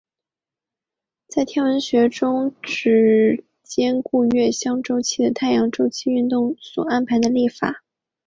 在天文学中是指兼顾月相周期和太阳周期运动所安排的历法。